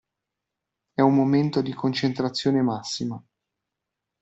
È un momento di concentrazione massima.